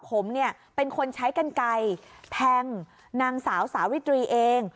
ผมเนี่ยเป็นคนใช้กันไกลแทงนางสาวสาวิตรีเอง